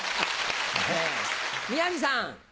宮治さん。